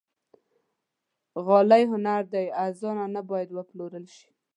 غالۍ هنر دی، ارزانه نه باید وپلورل شي.